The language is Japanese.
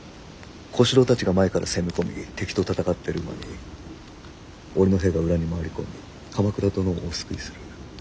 小四郎たちが前から攻め込み敵と戦ってる間に俺の兵が裏に回り込み鎌倉殿をお救いする。